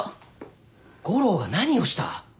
悟郎が何をした？